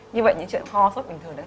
như vậy những chuyện kho sốt bình thường